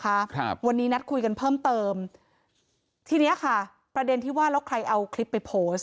ครับวันนี้นัดคุยกันเพิ่มเติมทีเนี้ยค่ะประเด็นที่ว่าแล้วใครเอาคลิปไปโพสต์